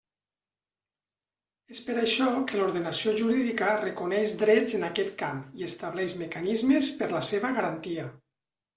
És per això que l'ordenació jurídica reconeix drets en aquest camp i estableix mecanismes per la seva garantia.